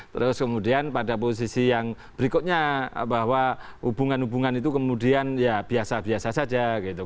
terus kemudian pada posisi yang berikutnya bahwa hubungan hubungan itu kemudian ya biasa biasa saja gitu